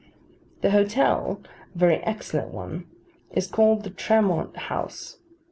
The hotel (a very excellent one) is called the Tremont House.